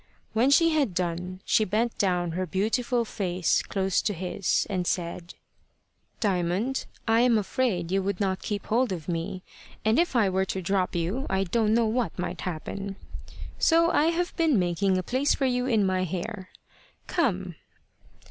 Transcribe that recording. When she had done, she bent down her beautiful face close to his, and said "Diamond, I am afraid you would not keep hold of me, and if I were to drop you, I don't know what might happen; so I have been making a place for you in my hair. Come."